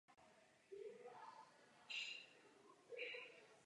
Dám vám příklad.